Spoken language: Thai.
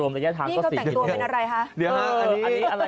อันนี้เค้าแต่งตัวเหมือนอะไร